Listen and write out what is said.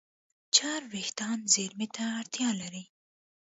چرب وېښتيان زېرمه ته اړتیا لري.